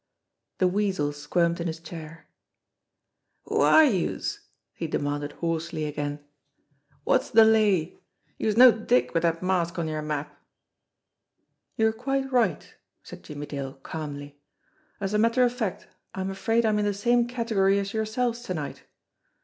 The Weasel squirmed in his chair. "Who are youse?" he demanded hoarsely again. "Wot's de lay ? Youse're no dick wid dat mask on yer map." "You are quite right," said Jimmie Dale calmly. "As a matter of fact, I am afraid I am in the same category as yourselves to night.